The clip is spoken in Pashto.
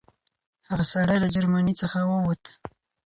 هغه سړی له جرمني څخه ووت.